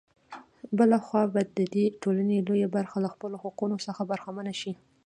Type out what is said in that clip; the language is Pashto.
بـله خـوا بـه د دې ټـولـنې لـويه بـرخـه لـه خپـلـو حـقـونـو څـخـه بـرخـمـنـه شـي.